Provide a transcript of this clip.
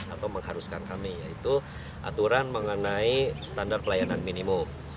atau mengharuskan kami yaitu aturan mengenai standar pelayanan minimum